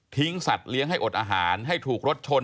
สัตว์เลี้ยงให้อดอาหารให้ถูกรถชน